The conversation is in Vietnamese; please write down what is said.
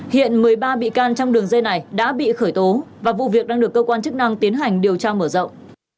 hiện một mươi ba bị can trong đường dây này đã bị khởi tố và vụ việc đang được cơ quan chức năng tiến hành điều tra mở rộng